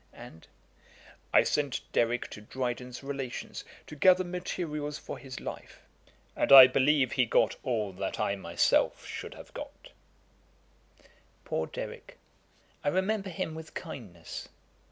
And, 'I sent Derrick to Dryden's relations to gather materials for his life; and I believe he got all that I myself should have got.' Poor Derrick! I remember him with kindness.